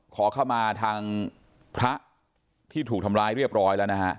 ขอเข้ามาทางพระที่ถูกทำร้ายเรียบร้อยแล้วนะฮะ